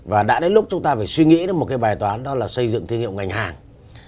và đã đến lúc chúng ta phải suy nghĩ đến một cái bài toán đó là xây dựng thương hiệu ngành hàng